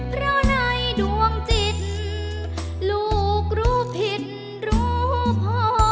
เพราะในดวงจิตลูกรู้ผิดรู้พอ